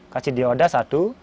kasih dioda satu